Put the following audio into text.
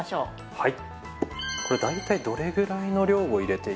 はい。